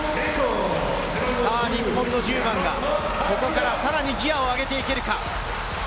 日本の１０番がここからさらにギアを上げていけるか？